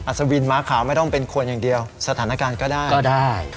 สวินม้าขาวไม่ต้องเป็นคนอย่างเดียวสถานการณ์ก็ได้ก็ได้